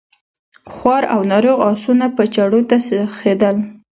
خوار او ناروغ آسونه به چړو ته سيخېدل.